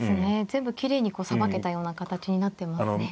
全部きれいにこうさばけたような形になってますね。